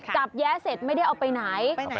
แย้เสร็จไม่ได้เอาไปไหน